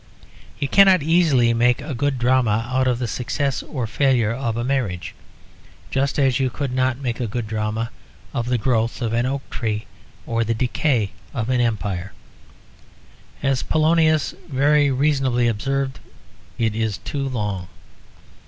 You cannot easily make a good drama out of the success or failure of a marriage, just as you could not make a good drama out of the growth of an oak tree or the decay of an empire. As Polonius very reasonably observed, it is too long.